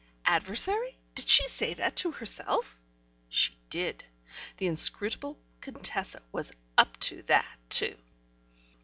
"Adversary?" did she say to herself? She did. The inscrutable Contessa was "up to" that too.